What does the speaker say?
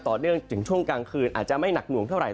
ต่อเนื่องถึงช่วงกลางคืนอาจจะไม่หนักหน่วงเท่าไห